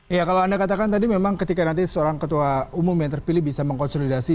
ya kalau anda katakan tadi memang ketika nanti seorang ketua umum yang terpilih bisa mengkonsolidasi